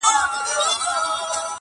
دا بهار، او لاله زار، او ګلشن زما دی!!